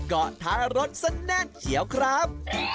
ก็ทารสนแน่นเฉียวครับ